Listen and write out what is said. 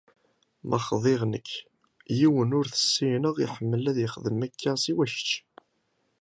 Ma xḍiɣ nekk, yiwen ur t-ssineɣ iḥemmel ad ixdem akka siwa kečč.